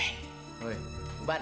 ibu apa kabar